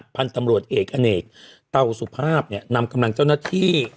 พันธุ์ตำรวจเอกอเนกเตาสุภาพเนี่ยนำกำลังเจ้าหน้าที่